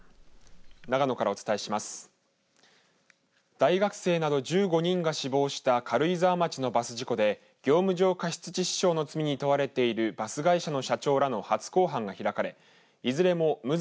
大学生など１５人が死亡した長野県軽井沢町のバス事故で業務上過失致死傷の罪に問われているバス会社の社長らの初公判が開かれました。